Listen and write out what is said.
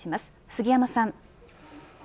杉山さん。